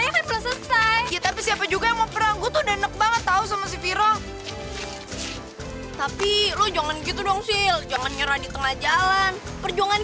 iya tapi gue tuh gak mau minta apa apa